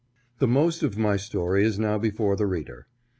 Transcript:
THE most of my story is now before the reader.